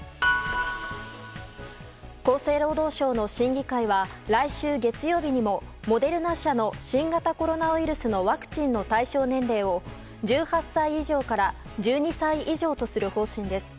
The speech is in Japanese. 厚生労働省の審議会は来週月曜日にもモデルナ社の新型コロナウイルスのワクチンの対象年齢を１８歳以上から１２歳以上とする方針です。